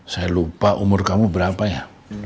saya lupa umur kamu berapa ya